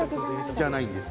じゃないんです。